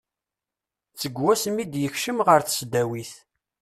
Seg wasmi i d-yekcem ɣer tesdawit.